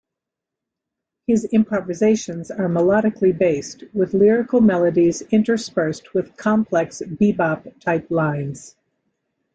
His improvisations are melodically based, with lyrical melodies interspersed with complex bebop type lines.